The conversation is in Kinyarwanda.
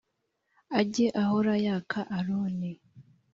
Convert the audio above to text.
ajye ahora yaka aroni